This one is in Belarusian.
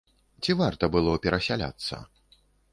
Ці варта было перасяляцца?